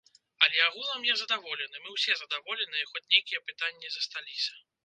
Але агулам я задаволены, мы ўсе задаволеныя, хоць нейкія пытанні засталіся.